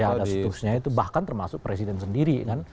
ya ada seterusnya itu bahkan termasuk presiden sendiri kan